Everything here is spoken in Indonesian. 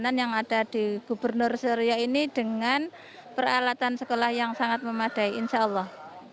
perjalanan yang ada di gubernur suryo ini dengan peralatan sekolah yang sangat memadai insya allah